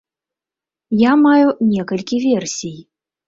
Я маю некалькі версій.